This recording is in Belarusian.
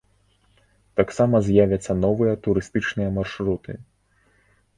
Таксама з'явяцца новыя турыстычныя маршруты.